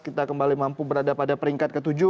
kita kembali mampu berada pada peringkat ke tujuh